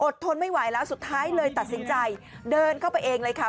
ทนไม่ไหวแล้วสุดท้ายเลยตัดสินใจเดินเข้าไปเองเลยค่ะ